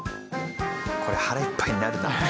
これ腹いっぱいになるな。